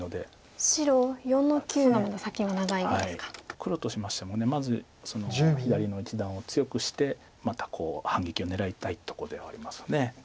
黒としましてもまず左の一団を強くしてまた反撃を狙いたいとこではあります。